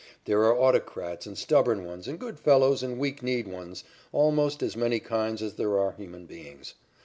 There are autocrats and stubborn ones and good fellows and weak kneed ones, almost as many kinds as there are human beings.